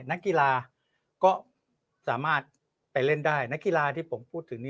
นักกีฬาก็สามารถไปเล่นได้นักกีฬาที่ผมพูดถึง